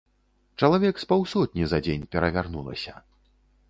Чалавек з паўсотні за дзень перавярнулася.